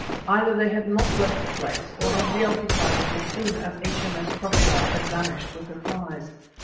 Either they had not left the place, or had re occupied it as soon as H.M.S. Crocodile had vanished with her prize.